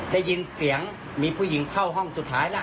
ได้ยินเสียงมีผู้หญิงเข้าห้องสุดท้ายแล้ว